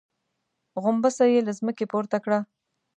غومبسه يې له ځمکې پورته کړه.